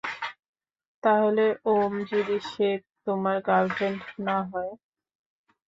তাহলে, ওম, যদি সে তোমার গার্লফ্রেন্ড না হয়।